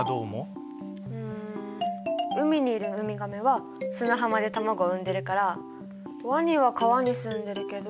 うん海にいるウミガメは砂浜で卵を産んでるからワニは川にすんでるけど○？